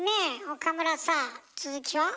岡村さあ続きは？